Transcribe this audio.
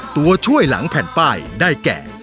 ตัวช่วยหลังแผ่นป้ายได้แก่